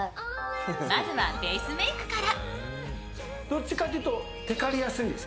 まずはベースメイクから。